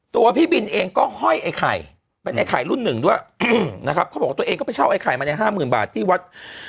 พี่บินเองก็ห้อยไอ้ไข่เป็นไอ้ไข่รุ่นหนึ่งด้วยนะครับเขาบอกว่าตัวเองก็ไปเช่าไอไข่มาในห้าหมื่นบาทที่วัด